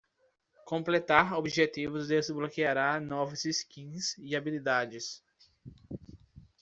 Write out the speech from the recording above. Completar objetivos desbloqueará novas skins e habilidades.